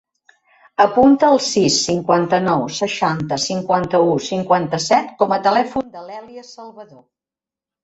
Apunta el sis, cinquanta-nou, seixanta, cinquanta-u, cinquanta-set com a telèfon de l'Èlia Salvador.